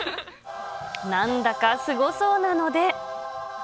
なんだかすごそうなので。